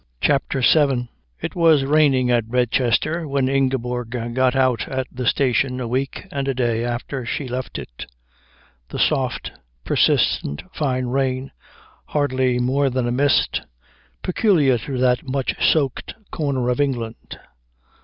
CHAPTER VII It was raining at Redchester when Ingeborg got out at the station a week and a day after she left it the soft persistent fine rain, hardly more than a mist, peculiar to that much soaked corner of England.